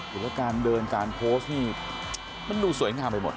หรือว่าการเดินการโพสต์นี่มันดูสวยงามไปหมด